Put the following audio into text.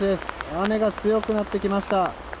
雨が強くなってきました。